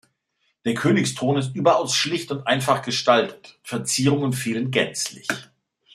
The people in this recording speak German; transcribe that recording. Der Königsthron ist überaus schlicht und einfach gestaltet; Verzierungen fehlen gänzlich.